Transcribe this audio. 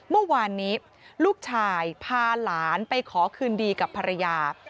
เมื่อวานนี้ลูกชายพาหลานไปขอคืนดีกับภรรยา